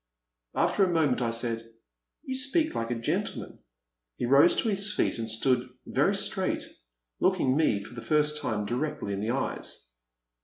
*' After a moment I said, *' You speak like a gen tleman. He rose to his feet and stood very straight, looking me, for the first time, directly in the eyes.